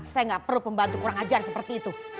saya nggak perlu pembantu kurang ajar seperti itu